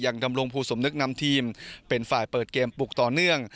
ดำรงภูสมนึกนำทีมเป็นฝ่ายเปิดเกมปลุกต่อเนื่อง